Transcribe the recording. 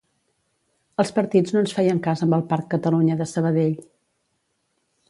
Els partits no ens feien cas amb el Parc Catalunya de Sabadell